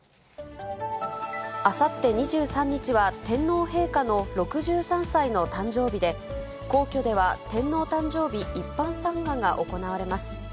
あさって２３日は、天皇陛下の６３歳の誕生日で、皇居では天皇誕生日一般参賀が行われます。